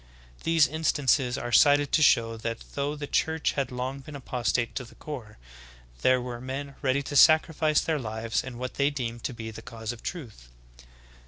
These instances are cited to show that though the Church had long been apostate to the core, there v/ere men ready to sacrifice their lives in what they deemed to be the cause of truth.